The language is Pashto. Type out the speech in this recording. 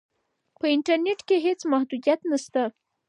په انټرنیټ کې هیڅ محدودیت نشته.